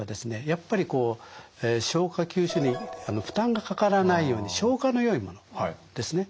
やっぱりこう消化吸収にいい負担がかからないように消化のよいものですね。